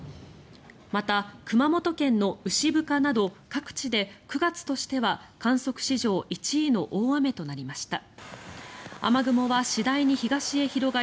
また、熊本県の牛深など各地で９月としては観測史上１位の大雨となりました。